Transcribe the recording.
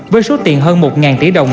với số tiền hơn một tỷ đồng